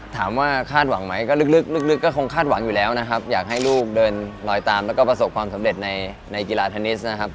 คาดหวังไหมก็ลึกก็คงคาดหวังอยู่แล้วนะครับอยากให้ลูกเดินลอยตามแล้วก็ประสบความสำเร็จในกีฬาเทนนิสนะครับ